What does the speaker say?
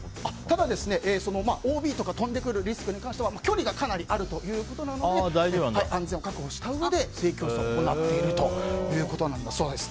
ただ、ＯＢとか飛んでくるリスクに関しては距離がかなりあるということで安全を確保したうえで水泳教室を行っているということです。